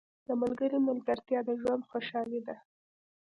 • د ملګري ملګرتیا د ژوند خوشحالي ده.